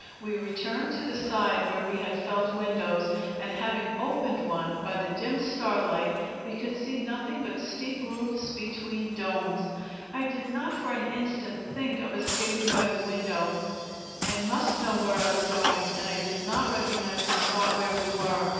We returned to the side where we had felt windows, and having opened one, by the dim starlight we could see nothing but steep roofs between domes. I did not for an instant think of escaping by the window; I must know where I was going, and I did not recognize the spot where we were.